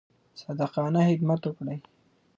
صادقانه خدمت وکړئ.